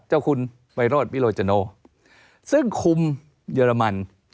เจ้าคุณไมโรธวิโรจโนซึ่งคุมเยอรมัน